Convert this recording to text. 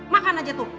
makan aja tuh